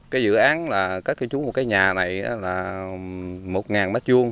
cái dự án là các chú một cái nhà này là một m hai